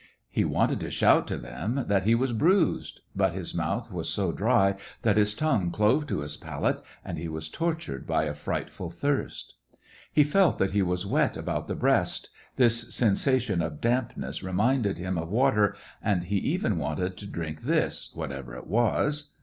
He wanted to shout to them that he was bruised ; 102 SEVASTOPOL IN MAY. but his mouth was so dry that his tongue clove to his palate and he was tortured by a frightful thirst. He felt that he was wet about the breast : this sensation of dampness reminded him of water, and he even wanted to drink this, whatever it was.